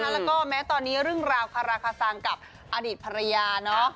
แล้วก็แม้ตอนนี้เรื่องราวคาราคาซังกับอดีตภรรยาเนาะ